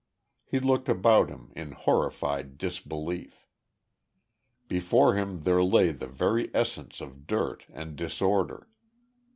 He looked about him, in horrified disbelief. Before him there lay the very essence of dirt and disorder.